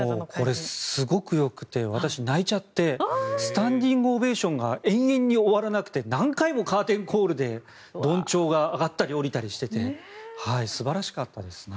これ、すごくよくて私、泣いちゃってスタンディングオベーションが延々に終わらなくて何回もカーテンコールでどん帳が上がったり下がったりしてて素晴らしかったですね。